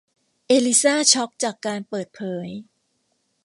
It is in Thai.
เอลิซ่าช็อคจากการเปิดเผย